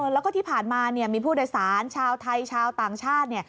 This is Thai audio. แล้วก็ที่ผ่านมามีผู้โดยสารชาวไทยชาวต่างชาติ